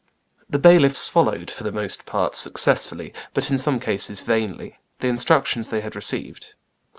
The bailiffs followed, for the most part successfully, but in some cases vainly, the instructions they had received.